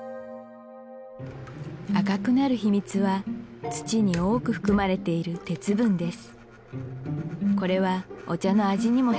赤くなる秘密は土に多く含まれている鉄分です